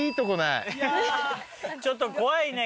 ちょっと怖いね。